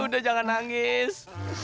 udah jangan nangis